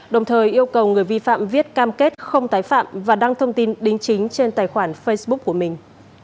đồng thời yêu cầu người vi phạm viết cam kết không tái phạm và đăng thông tin đính chính trên tài khoản facebook của mình